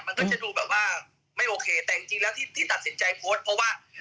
มันก็จะดูแบบว่าไม่โอเคแต่จริงแล้วที่ตัดสินใจโพสต์เพราะว่า